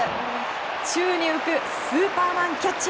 宙に浮くスーパーマンキャッチ。